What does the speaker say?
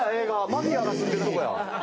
マフィアが住んでるとこや。